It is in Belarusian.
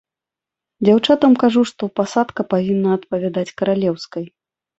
Дзяўчатам кажу, што пасадка павінна адпавядаць каралеўскай.